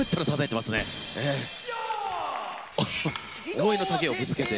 思いの丈をぶつけて。